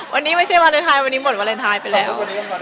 วันนี้ไม่ใช่วาเลนไทยวันนี้หมดวาเลนไทยไปแล้ว